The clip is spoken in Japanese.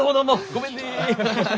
ごめんね！